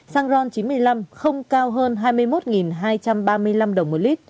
sang ron chín mươi năm không cao hơn hai mươi một hai trăm ba mươi năm đồng